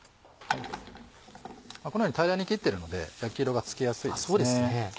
このように平らに切ってるので焼き色がつけやすいですね。